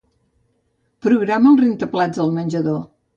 Programa el rentaplats del menjador.